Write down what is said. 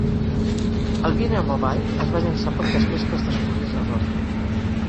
El Wienermobile es va llançar poc després que es descobrís l'error.